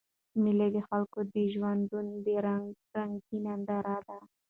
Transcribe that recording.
مېلې د خلکو د ژوندانه د رنګارنګۍ ننداره ده.